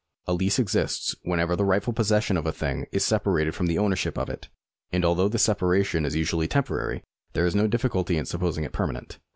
A lease exists whenever the rightful possession of a thing is separated from the owner ship of it ; and although this separation is usually temporary, there is no difficulty in saipposing it permanent.